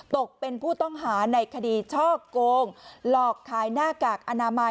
ตกเป็นผู้ต้องหาในคดีช่อโกงหลอกขายหน้ากากอนามัย